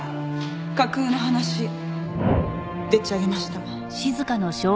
架空の話でっち上げました。